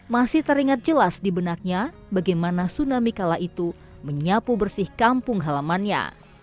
masih teringat jelas di benaknya bagaimana tsunami kala itu menyapu bersih kampung halamannya